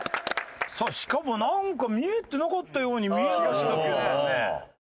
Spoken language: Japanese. さあしかもなんか見えてなかったように見えましたけどもね。